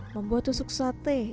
membuat tusuk sate